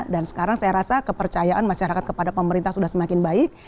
dan sekarang saya rasa kepercayaan masyarakat kepada pemerintah sudah semakin baik